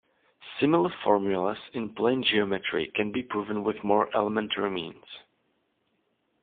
Similar formulas in plane geometry can be proven with more elementary means.